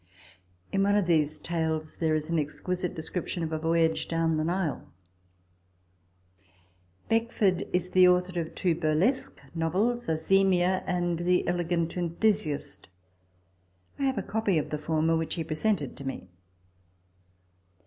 ... In one of these tales there is an exquisite description of a voyage down the Nile. TABLE TALK OF SAMUEL ROGERS 169 Beckford is the author of two burlesque novels, "Azemia"* and "The Elegant Enthusiast." I have a copy of the former, which he presented to me.